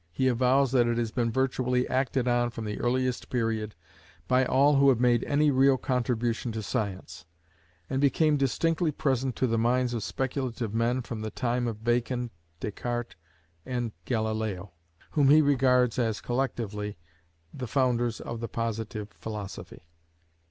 He avows that it has been virtually acted on from the earliest period by all who have made any real contribution to science, and became distinctly present to the minds of speculative men from the time of Bacon, Descartes, and Galileo, whom he regards as collectively the founders of the Positive Philosophy.